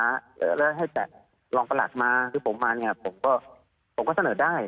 แล้วให้จัดรองประหลัดมาคือผมมาเนี่ยผมก็ผมก็เสนอได้